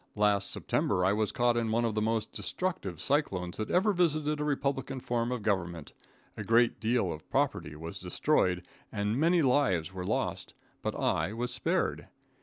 Last September I was caught in one of the most destructive cyclones that ever visited a republican form of government. A great deal of property was destroyed and many lives were lost, but I was spared.